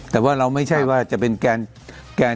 แต่ว่าเราไม่ใช่ว่าจะเป็นแกน